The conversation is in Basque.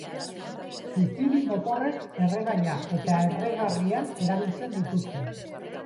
Suziri motorrek erregaia eta erregarria erabiltzen dituzte.